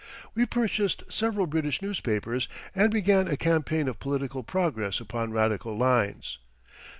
We purchased several British newspapers and began a campaign of political progress upon radical lines.